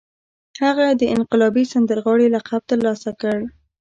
هغه د انقلابي سندرغاړي لقب ترلاسه کړ